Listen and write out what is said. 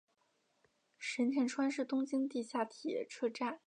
神田川是东京地下铁车站。